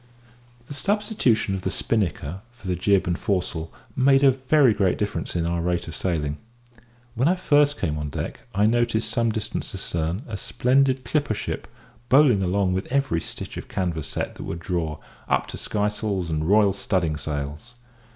The substitution of the spinnaker for the jib and foresail made a very great difference in our rate of sailing. When I first came on deck I noticed some distance astern a splendid clipper ship, bowling along with every stitch of canvas set that would draw, up to skysails and royal studding sails.